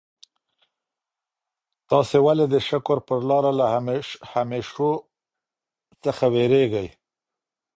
تاسي ولي د شکر پر لاره له همېشهو څخه وېرېږئ؟